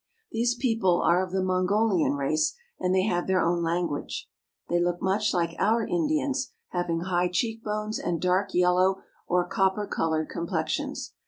These people are of the MongoHan race, and they have their own language. They look much like our Indians, having high cheek bones and dark yellow or copper col ored complexions.